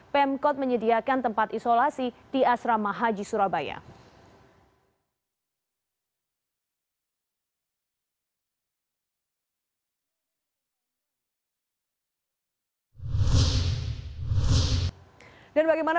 pemkot menyediakan tempat isolasi di asrama haji surabaya